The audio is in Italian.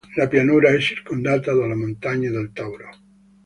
La pianura è circondata dalle montagne del Tauro.